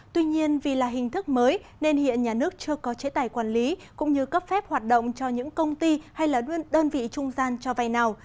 tuy nhiên vì là hình thức mới nên hiện nhà nước chưa có chế tài quản lý cũng như cấp phép hoạt động cho những công ty hay là đơn vị trung gian cho vay nào